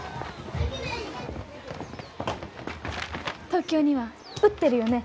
東京には売ってるよね